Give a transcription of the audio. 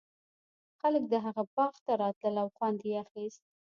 خلک د هغه باغ ته راتلل او خوند یې اخیست.